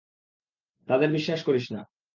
তাদের বিশ্বাস করিস না।